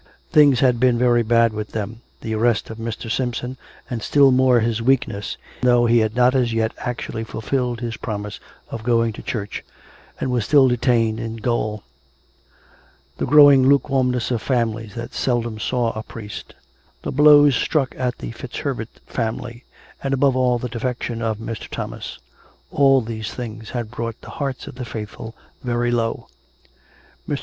Things had been very bad with them — the arrest of Mr. Simpson, and, still more, his weakness (though he had not as yet actually fulfilled his promise of going to church, and was still detained in gaol) ; the growing lukewarmness of families that seldom saw a priest; the blows struck at the FitzHerbert family; and, above all, the defection of Mr. Thomas — all these things had brought the hearts of the faithful very low. Mr.